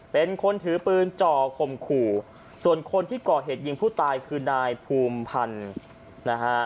เป็นคนถือปืนจ่อข่มขู่ส่วนคนที่ก่อเหตุยิงผู้ตายคือนายภูมิพันธ์นะฮะ